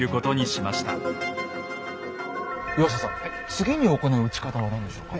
次に行う撃ち方は何でしょうか？